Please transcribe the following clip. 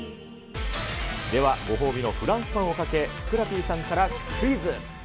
では、ご褒美のフランスパンをかけ、ふくらＰさんからクイズ。